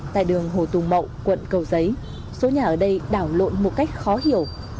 tại đường hồ tùng mậu quận cầu giấy số nhà ở đây đảo lộn một cách khó hiểu